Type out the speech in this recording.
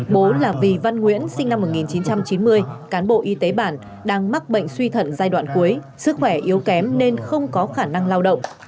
bố là vì văn nguyễn sinh năm một nghìn chín trăm chín mươi cán bộ y tế bản đang mắc bệnh suy thận giai đoạn cuối sức khỏe yếu kém nên không có khả năng lao động